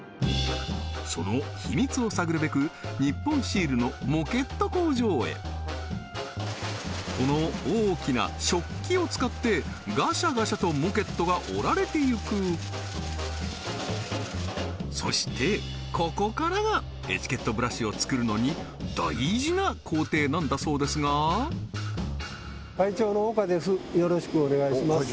そのヒミツを探るべく日本シールのモケット工場へこの大きな織機を使ってガシャガシャとモケットが織られていくそしてここからがエチケットブラシをつくるのに大事な工程なんだそうですがよろしくお願いします